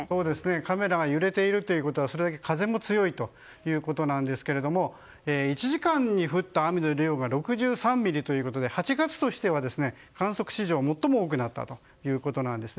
カメラが揺れているということはそれだけ風も強いということですけども１時間に降った雨の量が６３ミリということで８月としては観測史上最も多くなったということです。